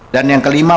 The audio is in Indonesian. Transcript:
dan yang kelima